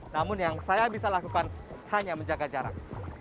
namun yang saya bisa lakukan hanya menjaga jarak